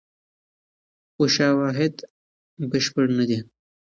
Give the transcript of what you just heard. خو شواهد بشپړ نه دي.